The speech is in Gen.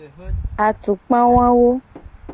Atukpa wawo.